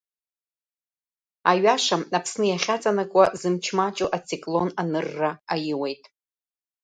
Аҩаша, Аԥсны иахьаҵанакуа, зымч маҷу ациклон анырра аиуеит.